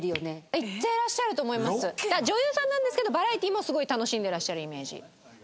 女優さんなんですけどバラエティーもすごい楽しんでいらっしゃるイメージ。